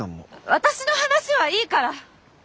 私の話はいいから！